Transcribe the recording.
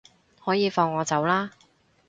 可以放我走喇